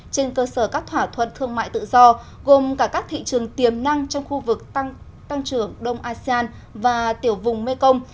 trên cơ sở các thỏa thuận thương mại tự do gồm cả các thị trường tiềm năng trong khu vực tăng trưởng đông asean và tiểu vùng mekong